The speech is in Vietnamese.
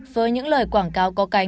với những lời quảng cáo có cánh